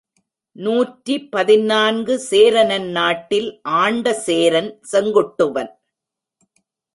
நூற்றி பதினான்கு சேர நன்னாட்டில் ஆண்ட சேரன் செங்குட்டுவன்.